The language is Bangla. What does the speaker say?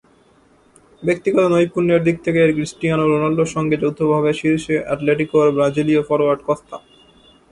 ব্যক্তিগত নৈপুণ্যের দিক থেকে ক্রিস্টিয়ানো রোনালদোর সঙ্গে যৌথভাবে শীর্ষে অ্যাটলেটিকোর ব্রাজিলীয় ফরোয়ার্ড কস্তা।